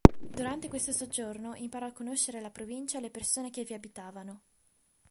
Durante questo soggiorno imparò a conoscere la provincia e le persone che vi abitavano.